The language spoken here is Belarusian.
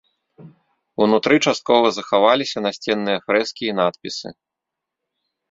Унутры часткова захаваліся насценныя фрэскі і надпісы.